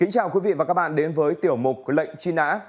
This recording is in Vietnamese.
kính chào quý vị và các bạn đến với tiểu một lệnh truy nã